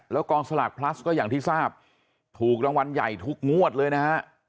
แล้วกองสลากพลัสก็อย่างที่ทราบถูกรางวัลใหญ่ทุกงวดเลยนะฮะ